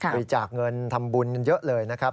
บริจาคเงินทำบุญกันเยอะเลยนะครับ